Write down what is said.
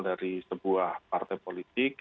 dari sebuah partai politik